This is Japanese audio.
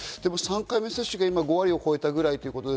３回目接種が５割を超えたくらい。